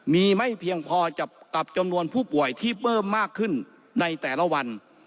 มีไม่เพียงพอกับจำนวนผู้ป่วยที่เพิ่มมากขึ้นในแต่ละวัน